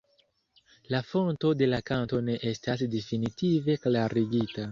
La fonto de la kanto ne estas definitive klarigita.